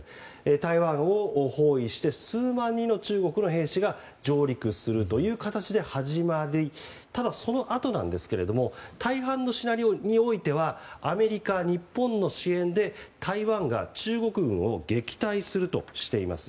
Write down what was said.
台湾を包囲して数万人の中国の兵士が上陸するという形で始まりただ、そのあとですが大半のシナリオにおいてはアメリカ、日本の支援で台湾が中国軍を撃退するとしています。